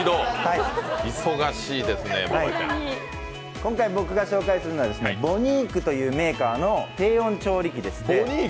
今回、僕が紹介するのはボニークというメーカーの低温調理器です。